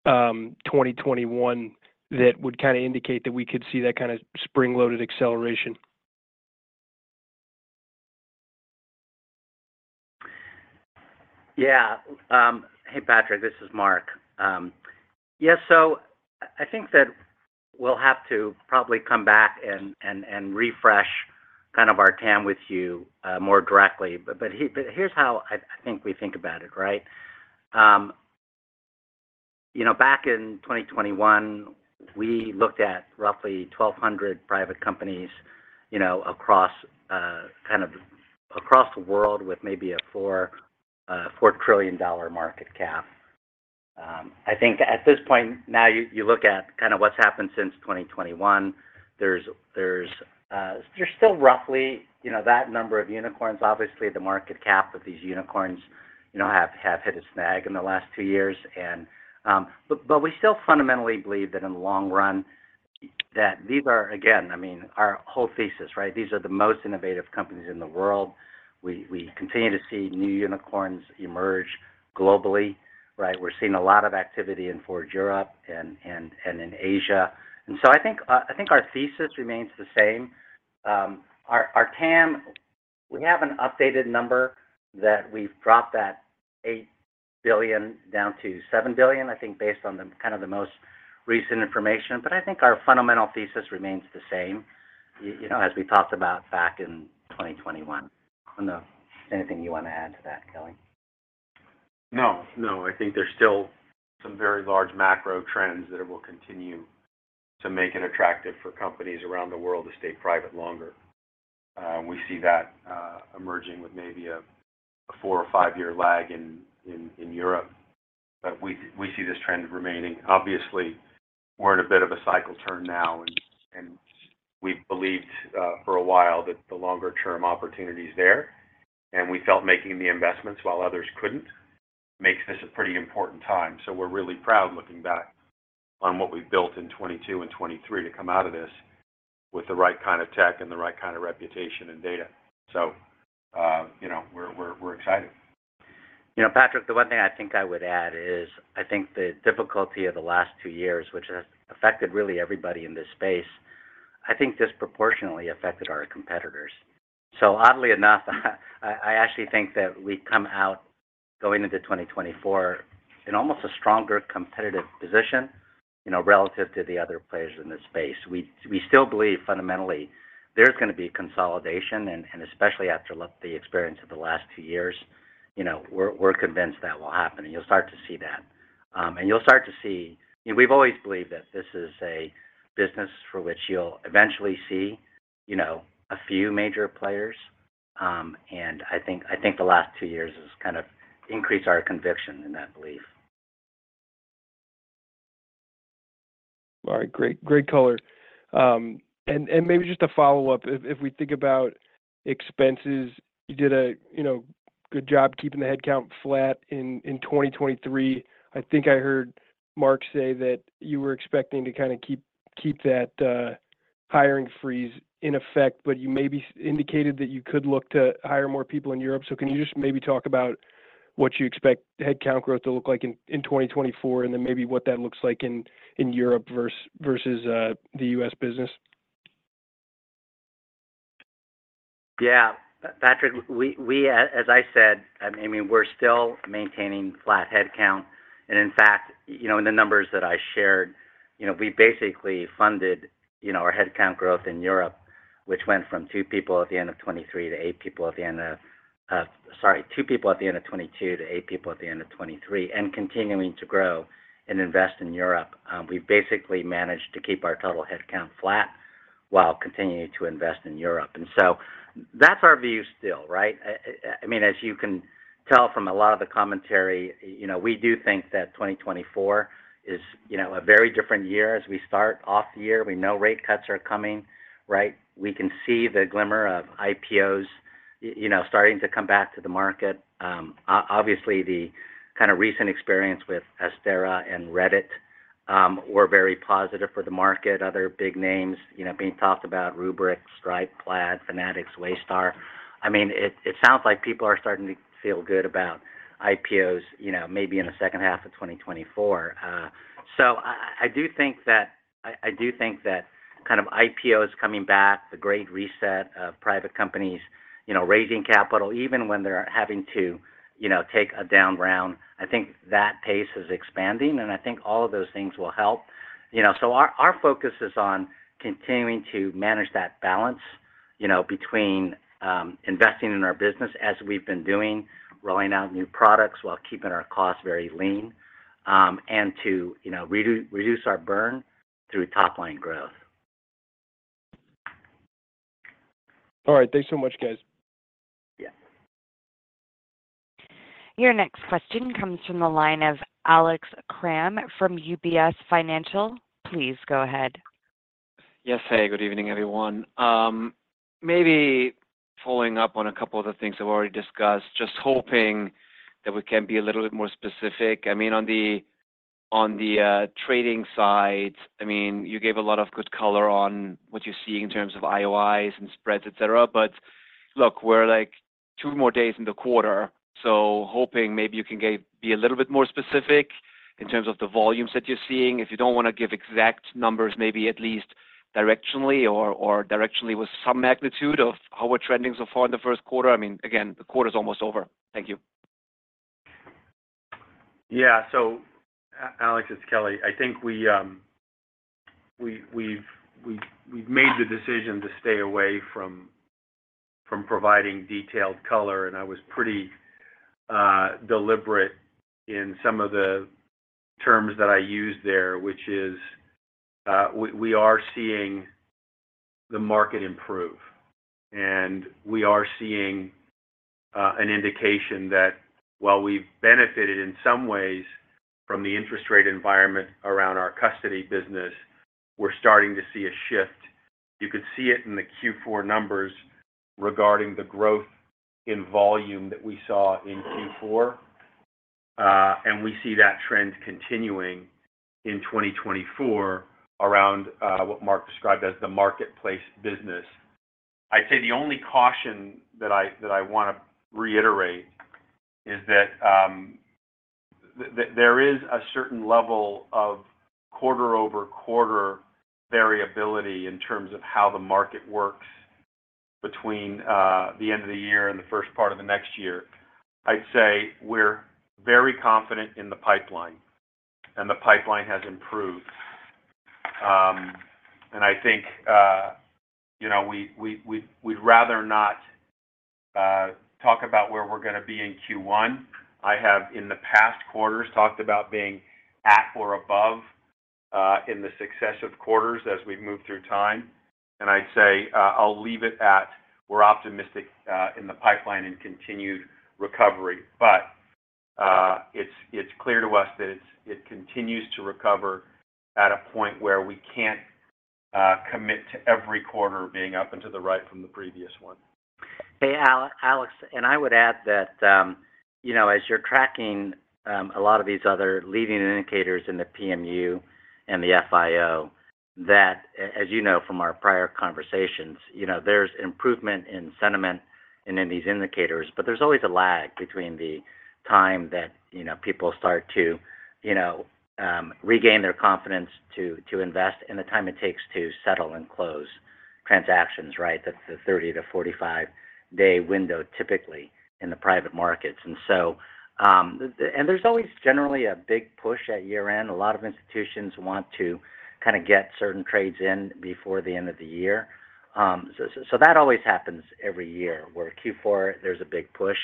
2021 that would kind of indicate that we could see that kind of spring-loaded acceleration? Yeah. Hey, Patrick. This is Mark. Yeah. So I think that we'll have to probably come back and refresh kind of our TAM with you, more directly. But here's how I think we think about it, right? You know, back in 2021, we looked at roughly 1,200 private companies, you know, across, kind of across the world with maybe a $4 trillion market cap. I think at this point, now you look at kind of what's happened since 2021, there's still roughly, you know, that number of unicorns. Obviously, the market cap of these unicorns, you know, have hit a snag in the last 2 years. But we still fundamentally believe that in the long run, that these are again, I mean, our whole thesis, right? These are the most innovative companies in the world. We continue to see new unicorns emerge globally, right? We're seeing a lot of activity in Forge Europe and in Asia. And so I think our thesis remains the same. Our TAM, we have an updated number that we've dropped that $8 billion down to $7 billion, I think, based on the kind of the most recent information. But I think our fundamental thesis remains the same, you know, as we talked about back in 2021. I don't know if there's anything you want to add to that, Kelly. No. No. I think there's still some very large macro trends that will continue to make it attractive for companies around the world to stay private longer. We see that emerging with maybe a four or five-year lag in Europe. But we see this trend remaining. Obviously, we're in a bit of a cycle turn now. And we've believed for a while that the longer-term opportunity's there. And we felt making the investments while others couldn't makes this a pretty important time. So we're really proud, looking back, on what we've built in 2022 and 2023 to come out of this with the right kind of tech and the right kind of reputation and data. So, you know, we're excited. You know, Patrick, the one thing I think I would add is I think the difficulty of the last two years, which has affected really everybody in this space, I think disproportionately affected our competitors. So oddly enough, I actually think that we come out going into 2024 in almost a stronger competitive position, you know, relative to the other players in this space. We still believe, fundamentally, there's going to be consolidation. And especially after the experience of the last two years, you know, we're convinced that will happen. And you'll start to see that. And you'll start to see you know, we've always believed that this is a business for which you'll eventually see, you know, a few major players. And I think the last two years has kind of increased our conviction in that belief. All right. Great, great color. And maybe just a follow-up. If we think about expenses, you did a, you know, good job keeping the headcount flat in 2023. I think I heard Mark say that you were expecting to kind of keep that hiring freeze in effect. But you maybe indicated that you could look to hire more people in Europe. So can you just maybe talk about what you expect headcount growth to look like in 2024 and then maybe what that looks like in Europe versus the US business? Yeah. Patrick, we, as I said, I mean, we're still maintaining flat headcount. And in fact, you know, in the numbers that I shared, you know, we basically funded, you know, our headcount growth in Europe, which went from two people at the end of 2022 to eight people at the end of 2023 and continuing to grow and invest in Europe. We've basically managed to keep our total headcount flat while continuing to invest in Europe. And so that's our view still, right? I mean, as you can tell from a lot of the commentary, you know, we do think that 2024 is, you know, a very different year as we start off the year. We know rate cuts are coming, right? We can see the glimmer of IPOs, you know, starting to come back to the market. Obviously, the kind of recent experience with Astera and Reddit were very positive for the market. Other big names, you know, being talked about, Rubrik, Stripe, Plaid, Fanatics, Waystar. I mean, it sounds like people are starting to feel good about IPOs, you know, maybe in the second half of 2024. So I do think that I do think that kind of IPOs coming back, the great reset of private companies, you know, raising capital, even when they're having to, you know, take a down round, I think that pace is expanding. And I think all of those things will help. You know, so our focus is on continuing to manage that balance, you know, between investing in our business as we've been doing, rolling out new products while keeping our costs very lean, and to, you know, reduce our burn through top-line growth. All right. Thanks so much, guys. Yeah. Your next question comes from the line of Alex Kramm from UBS. Please go ahead. Yes, hey. Good evening, everyone. Maybe following up on a couple of the things that we've already discussed, just hoping that we can be a little bit more specific. I mean, on the trading side, I mean, you gave a lot of good color on what you're seeing in terms of IOIs and spreads, etc. But look, we're, like, two more days in the quarter. So hoping maybe you can be a little bit more specific in terms of the volumes that you're seeing. If you don't want to give exact numbers, maybe at least directionally or, or directionally with some magnitude of how we're trending so far in the first quarter. I mean, again, the quarter's almost over. Thank you. Yeah. So Alex, it's Kelly. I think we've made the decision to stay away from providing detailed color. And I was pretty deliberate in some of the terms that I used there, which is, we are seeing the market improve. And we are seeing an indication that while we've benefited in some ways from the interest rate environment around our custody business, we're starting to see a shift. You could see it in the Q4 numbers regarding the growth in volume that we saw in Q4. And we see that trend continuing in 2024 around what Mark described as the marketplace business. I'd say the only caution that I want to reiterate is that there is a certain level of quarter-over-quarter variability in terms of how the market works between the end of the year and the first part of the next year. I'd say we're very confident in the pipeline. The pipeline has improved. I think, you know, we'd rather not talk about where we're going to be in Q1. I have, in the past quarters, talked about being at or above in the successive quarters as we've moved through time. I'd say I'll leave it at we're optimistic in the pipeline and continued recovery. But it's clear to us that it continues to recover at a point where we can't commit to every quarter being up and to the right from the previous one. Hey, Alex. And I would add that, you know, as you're tracking, a lot of these other leading indicators in the PMU and the FIO, that, as you know from our prior conversations, you know, there's improvement in sentiment and in these indicators. But there's always a lag between the time that, you know, people start to, you know, regain their confidence to, to invest and the time it takes to settle and close transactions, right, that's the 30- to 45-day window, typically, in the private markets. And so, and there's always, generally, a big push at year-end. A lot of institutions want to kind of get certain trades in before the end of the year. So, so, so that always happens every year where Q4, there's a big push.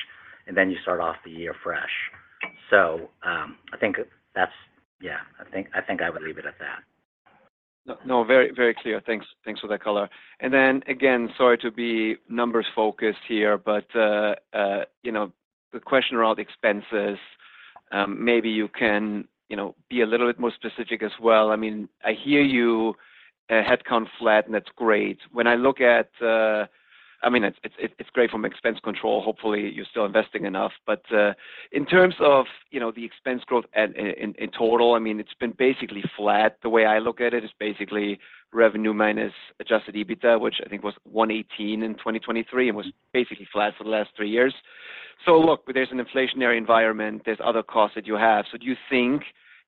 And then you start off the year fresh. So, I think that's yeah. I think I would leave it at that. No, no. Very, very clear. Thanks. Thanks for that color. And then, again, sorry to be numbers-focused here. But, you know, the question around expenses, maybe you can, you know, be a little bit more specific as well. I mean, I hear you, headcount flat. And that's great. When I look at, I mean, it's great from expense control. Hopefully, you're still investing enough. But, in terms of, you know, the expense growth in total, I mean, it's been basically flat. The way I look at it is basically revenue minus Adjusted EBITDA, which I think was $118 in 2023 and was basically flat for the last three years. So look, there's an inflationary environment. There's other costs that you have. So do you think,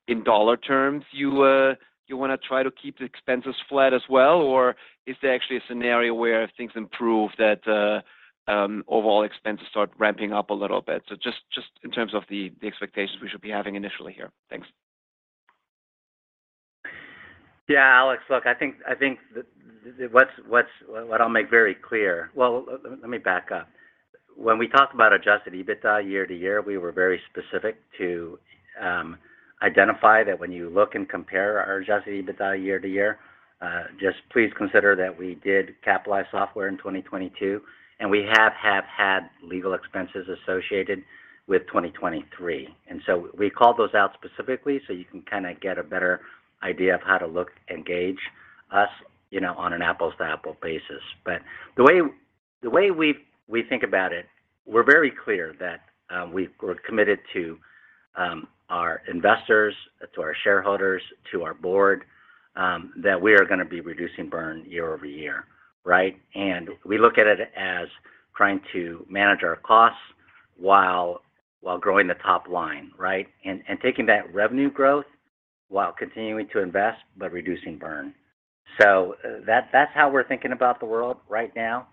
in dollar terms, you want to try to keep the expenses flat as well? Or is there actually a scenario where, if things improve, that, overall expenses start ramping up a little bit? So just in terms of the expectations we should be having initially here. Thanks. Yeah, Alex. Look, I think what's what I'll make very clear. Well, let me back up. When we talked about adjusted EBITDA year-over-year, we were very specific to identify that when you look and compare our adjusted EBITDA year-over-year, just please consider that we did capitalize software in 2022. And we have had legal expenses associated with 2023. And so we called those out specifically so you can kind of get a better idea of how to look engage us, you know, on an apples-to-apples basis. But the way we've we think about it, we're very clear that we're committed to our investors, to our shareholders, to our board, that we are going to be reducing burn year-over-year, right? We look at it as trying to manage our costs while growing the top line, right, and taking that revenue growth while continuing to invest but reducing burn. So that's how we're thinking about the world right now.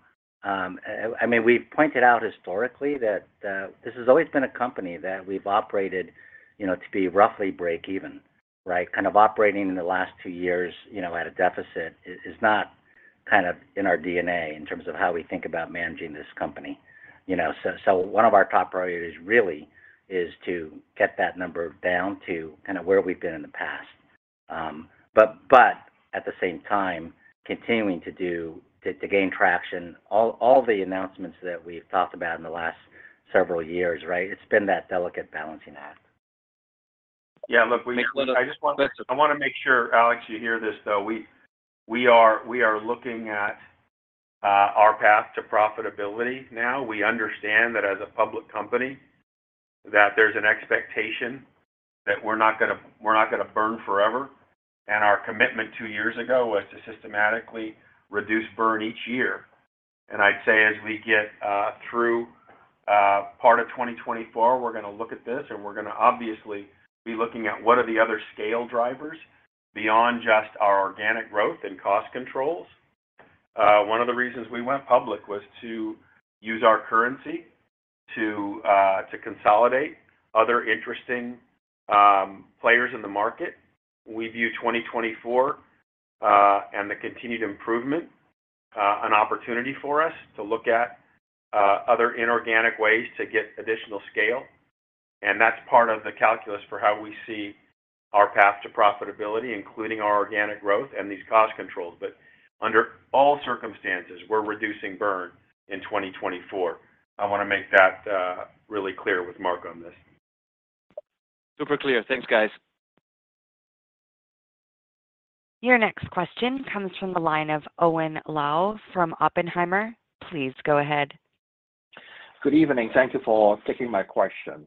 I mean, we've pointed out historically that this has always been a company that we've operated, you know, to be roughly break-even, right, kind of operating in the last two years, you know, at a deficit is not kind of in our DNA in terms of how we think about managing this company, you know. So one of our top priorities really is to get that number down to kind of where we've been in the past. But at the same time, continuing to do to, to gain traction. All, all the announcements that we've talked about in the last several years, right, it's been that delicate balancing act. Yeah. Look, I just want to make sure, Alex, you hear this, though. We are looking at our path to profitability now. We understand that, as a public company, that there's an expectation that we're not going to burn forever. Our commitment two years ago was to systematically reduce burn each year. I'd say as we get through part of 2024, we're going to look at this. We're going to, obviously, be looking at what are the other scale drivers beyond just our organic growth and cost controls. One of the reasons we went public was to use our currency to consolidate other interesting players in the market. We view 2024 and the continued improvement an opportunity for us to look at other inorganic ways to get additional scale. That's part of the calculus for how we see our path to profitability, including our organic growth and these cost controls. Under all circumstances, we're reducing burn in 2024. I want to make that really clear with Mark on this. Super clear. Thanks, guys. Your next question comes from the line of Owen Lau from Oppenheimer. Please go ahead. Good evening. Thank you for taking my question.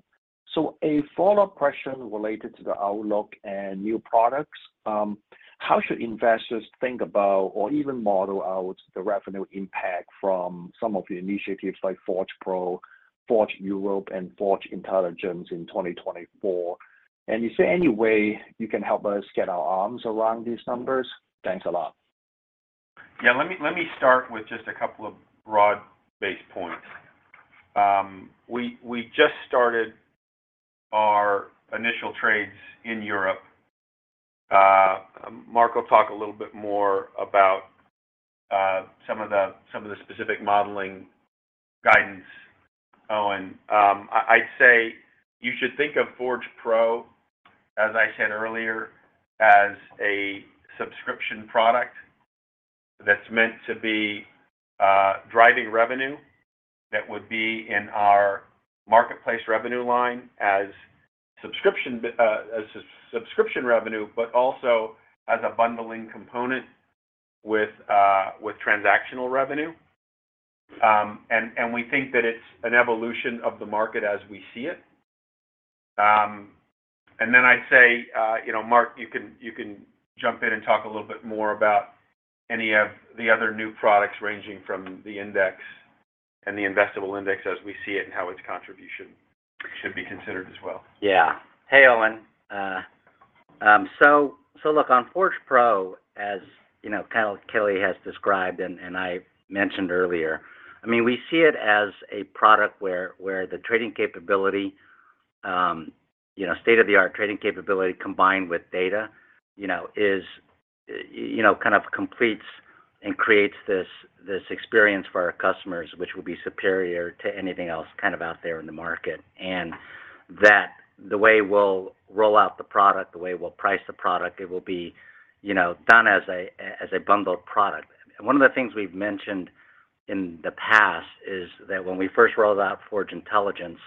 So a follow-up question related to the outlook and new products. How should investors think about or even model out the revenue impact from some of the initiatives like Forge Pro, Forge Europe, and Forge Intelligence in 2024? And is there any way you can help us get our arms around these numbers? Thanks a lot. Yeah. Let me start with just a couple of broad-based points. We just started our initial trades in Europe. Mark will talk a little bit more about some of the specific modeling guidance, Owen. I'd say you should think of Forge Pro, as I said earlier, as a subscription product that's meant to be driving revenue that would be in our marketplace revenue line as subscription revenue but also as a bundling component with transactional revenue. And we think that it's an evolution of the market as we see it. And then I'd say, you know, Mark, you can jump in and talk a little bit more about any of the other new products ranging from the index and the investable index as we see it and how its contribution should be considered as well. Yeah. Hey, Owen. So, look, on Forge Pro, as you know, Kelly has described and I mentioned earlier, I mean, we see it as a product where the trading capability, you know, state-of-the-art trading capability combined with data, you know, is you know kind of completes and creates this experience for our customers, which will be superior to anything else kind of out there in the market. And that the way we'll roll out the product, the way we'll price the product, it will be, you know, done as a bundled product. One of the things we've mentioned in the past is that when we first rolled out Forge Intelligence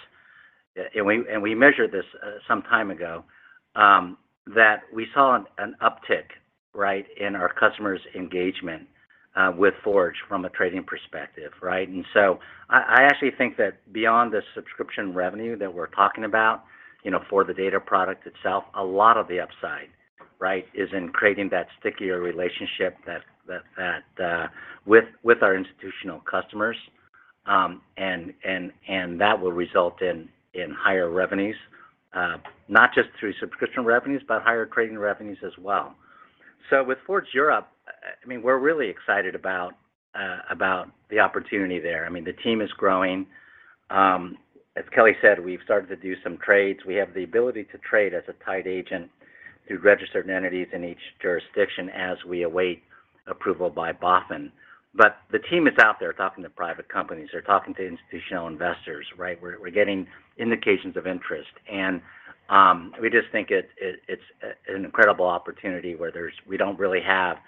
and we measured this some time ago, that we saw an uptick, right, in our customers' engagement with Forge from a trading perspective, right? And so I actually think that beyond the subscription revenue that we're talking about, you know, for the data product itself, a lot of the upside, right, is in creating that stickier relationship that with our institutional customers. And that will result in higher revenues, not just through subscription revenues but higher trading revenues as well. So with Forge Europe, I mean, we're really excited about the opportunity there. I mean, the team is growing. As Kelly said, we've started to do some trades. We have the ability to trade as a tied agent through registered entities in each jurisdiction as we await approval by BaFin. But the team is out there talking to private companies. They're talking to institutional investors, right? We're getting indications of interest. We just think it's an incredible opportunity where there's, we don't really have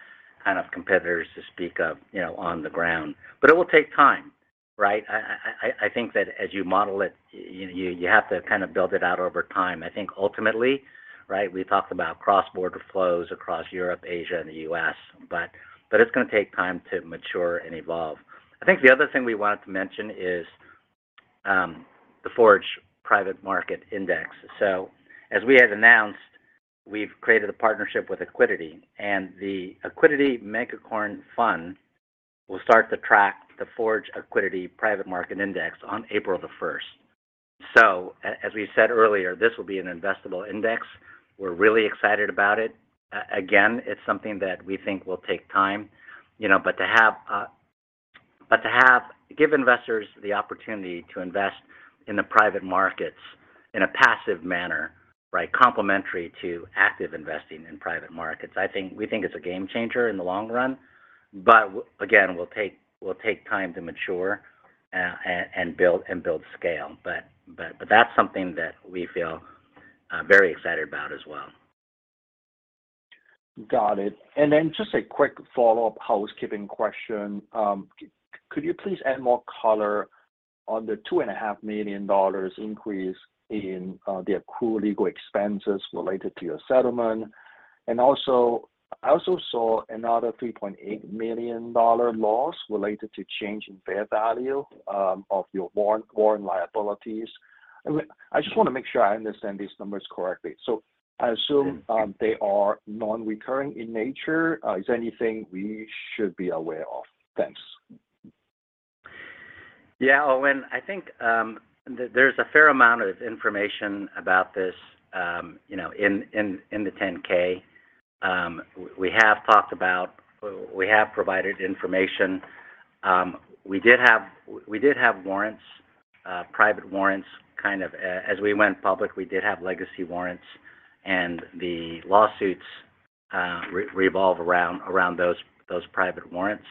kind of competitors to speak of, you know, on the ground. But it will take time, right? I think that as you model it, you have to kind of build it out over time. I think ultimately, right, we talked about cross-border flows across Europe, Asia, and the US. But it's going to take time to mature and evolve. I think the other thing we wanted to mention is the Forge Private Market Index. So as we had announced, we've created a partnership with Accuidity. And the Accuidity Megacorn Fund will start to track the Forge Accuidity Private Market Index on April the 1st. So as we said earlier, this will be an investable index. We're really excited about it. Again, it's something that we think will take time, you know, but to give investors the opportunity to invest in the private markets in a passive manner, right, complementary to active investing in private markets. I think it's a game-changer in the long run. But again, it'll take time to mature and build scale. But that's something that we feel very excited about as well. Got it. And then just a quick follow-up housekeeping question. Could you please add more color on the $2.5 million increase in the accrued legal expenses related to your settlement? And also, I also saw another $3.8 million loss related to change in fair value of your warrant liabilities. I mean, I just want to make sure I understand these numbers correctly. So I assume they are non-recurring in nature. Is there anything we should be aware of? Thanks. Yeah, Owen. I think there's a fair amount of information about this, you know, in the 10-K. We have talked about. We have provided information. We did have warrants, private warrants kind of as we went public. We did have legacy warrants. And the lawsuits revolve around those private warrants.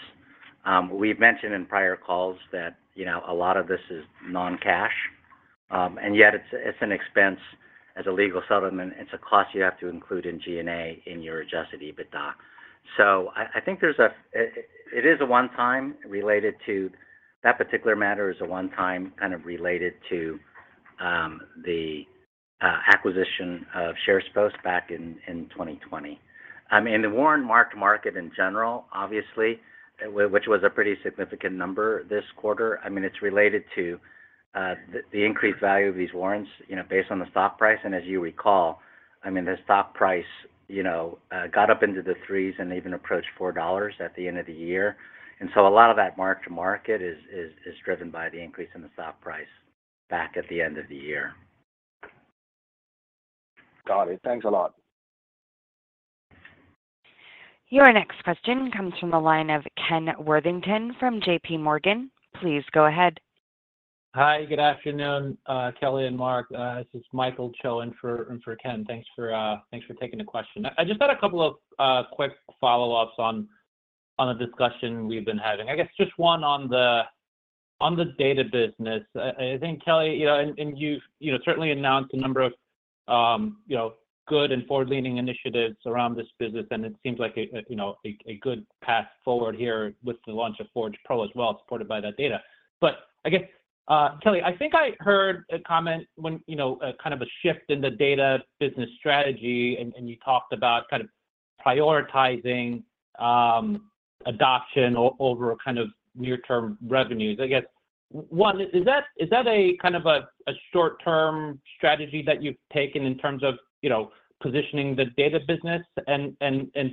We've mentioned in prior calls that, you know, a lot of this is non-cash. And yet, it's an expense as a legal settlement. It's a cost you have to include in G&A in your Adjusted EBITDA. So I think it is a one-time related to that particular matter, a one-time kind of related to the acquisition of SharesPost back in 2020. I mean, the warrant mark-to-market in general, obviously, which was a pretty significant number this quarter, I mean, it's related to the increased value of these warrants, you know, based on the stock price. And as you recall, I mean, the stock price, you know, got up into the 3s and even approached $4 at the end of the year. And so a lot of that mark-to-market is driven by the increase in the stock price back at the end of the year. Got it. Thanks a lot. Your next question comes from the line of Ken Worthington from J.P. Morgan. Please go ahead. Hi. Good afternoon, Kelly and Mark. This is Michael Cho for, for Ken. Thanks for, thanks for taking the question. I, I just had a couple of, quick follow-ups on, on the discussion we've been having. I guess just one on the on the data business. I, I think, Kelly, you know, and, and you've, you know, certainly announced a number of, you know, good and forward-leaning initiatives around this business. And it seems like a, a, you know, a, a good path forward here with the launch of Forge Pro as well, supported by that data. But I guess, Kelly, I think I heard a comment when, you know, a kind of a shift in the data business strategy. And, and you talked about kind of prioritizing, adoption over kind of near-term revenues. I guess, one, is that a kind of a short-term strategy that you've taken in terms of, you know, positioning the data business? And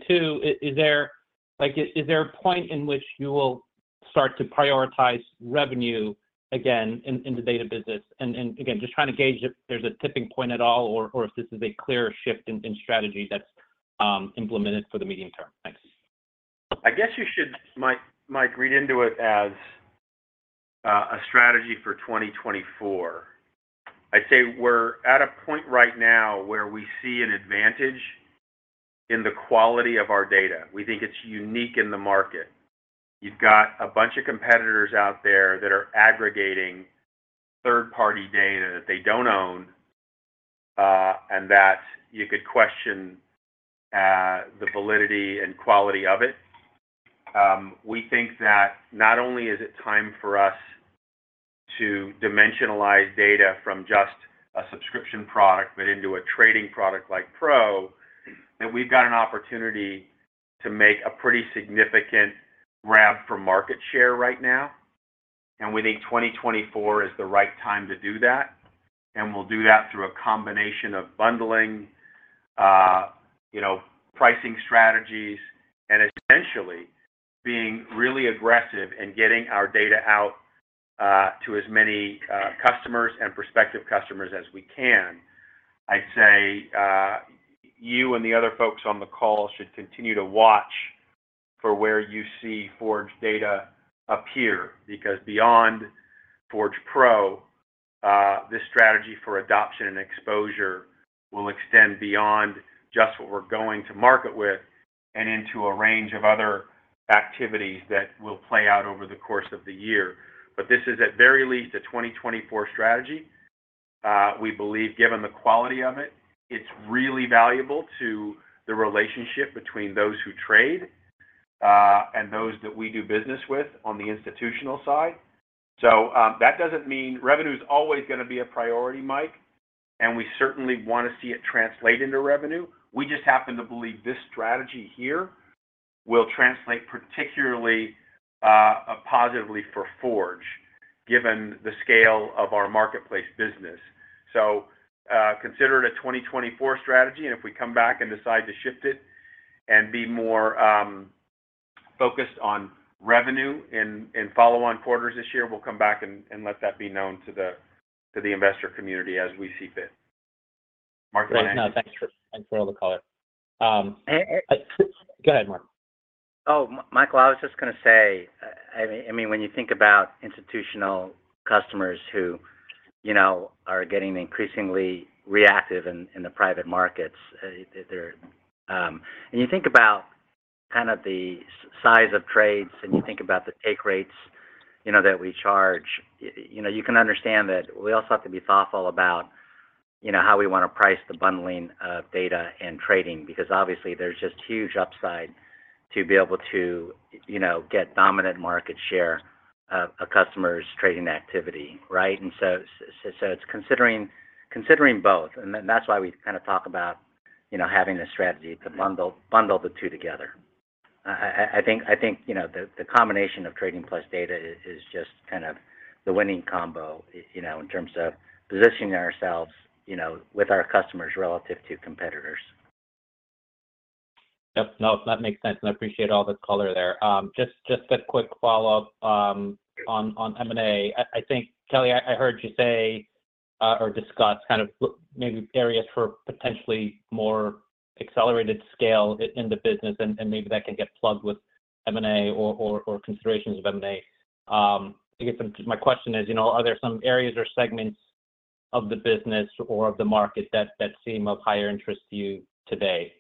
two, is there like a point in which you will start to prioritize revenue again in the data business? And again, just trying to gauge if there's a tipping point at all or if this is a clear shift in strategy that's implemented for the medium term. Thanks. I guess you might read into it as a strategy for 2024. I'd say we're at a point right now where we see an advantage in the quality of our data. We think it's unique in the market. You've got a bunch of competitors out there that are aggregating third-party data that they don't own, and that you could question the validity and quality of it. We think that not only is it time for us to dimensionalize data from just a subscription product but into a trading product like Pro, that we've got an opportunity to make a pretty significant grab for market share right now. And we think 2024 is the right time to do that. And we'll do that through a combination of bundling, you know, pricing strategies, and essentially being really aggressive and getting our data out to as many customers and prospective customers as we can. I'd say, you and the other folks on the call should continue to watch for where you see Forge data appear. Because beyond Forge Pro, this strategy for adoption and exposure will extend beyond just what we're going to market with and into a range of other activities that will play out over the course of the year. But this is, at very least, a 2024 strategy. We believe, given the quality of it, it's really valuable to the relationship between those who trade, and those that we do business with on the institutional side. So, that doesn't mean revenue's always going to be a priority, Mike. And we certainly want to see it translate into revenue. We just happen to believe this strategy here will translate particularly, positively for Forge, given the scale of our marketplace business. So, consider it a 2024 strategy. And if we come back and decide to shift it and be more focused on revenue in follow-on quarters this year, we'll come back and let that be known to the investor community as we see fit. Mark, do you want to add anything? No, thanks for all the color. Go ahead, Mark. Oh, Michael, I was just going to say, I mean, when you think about institutional customers who, you know, are getting increasingly reactive in the private markets, they're, and you think about kind of the size of trades, and you think about the take rates, you know, that we charge, you know, you can understand that we also have to be thoughtful about, you know, how we want to price the bundling of data and trading. Because obviously, there's just huge upside to be able to, you know, get dominant market share of a customer's trading activity, right? And so it's considering both. And that's why we kind of talk about, you know, having a strategy to bundle the two together. I think, you know, the combination of trading plus data is just kind of the winning combo, you know, in terms of positioning ourselves, you know, with our customers relative to competitors. Yep. No, that makes sense. And I appreciate all the color there. Just a quick follow-up on M&A. I think, Kelly, I heard you say or discuss kind of maybe areas for potentially more accelerated scale in the business. And maybe that can get plugged with M&A or considerations of M&A. I guess my question is, you know, are there some areas or segments of the business or of the market that seem of higher interest to you today?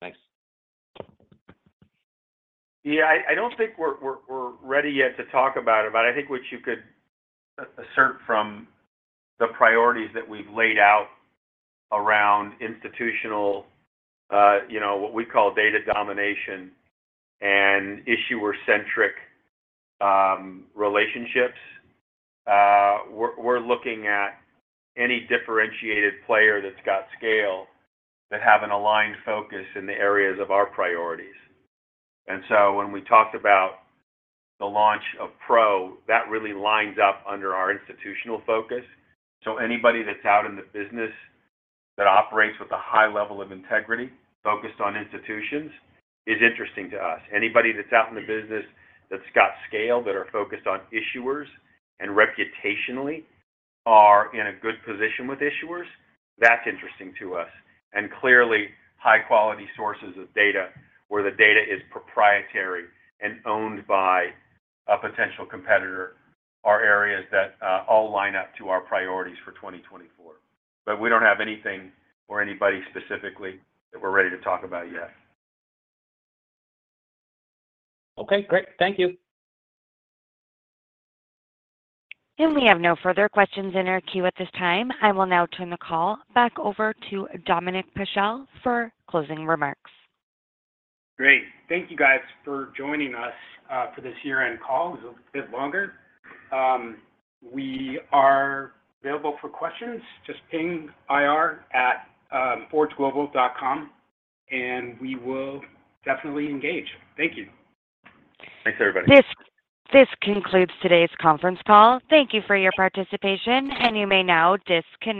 Thanks. Yeah. I don't think we're ready yet to talk about it. But I think what you could assert from the priorities that we've laid out around institutional, you know, what we call data domination and issuer-centric relationships, we're looking at any differentiated player that's got scale that have an aligned focus in the areas of our priorities. And so when we talked about the launch of Pro, that really lines up under our institutional focus. So anybody that's out in the business that operates with a high level of integrity focused on institutions is interesting to us. Anybody that's out in the business that's got scale that are focused on issuers and reputationally are in a good position with issuers, that's interesting to us. Clearly, high-quality sources of data where the data is proprietary and owned by a potential competitor are areas that all line up to our priorities for 2024. We don't have anything or anybody specifically that we're ready to talk about yet. Okay. Great. Thank you. And we have no further questions in our queue at this time. I will now turn the call back over to Dominic Paschel for closing remarks. Great. Thank you, guys, for joining us, for this year-end call. It was a bit longer. We are available for questions. Just ping ir@forgeglobal.com. We will definitely engage. Thank you. Thanks, everybody. This concludes today's conference call. Thank you for your participation. You may now disconnect.